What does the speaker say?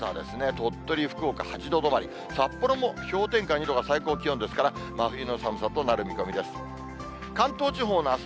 鳥取、福岡８度止まり、札幌も氷点下２度が最高気温ですから、真冬の寒さとなる見込みです。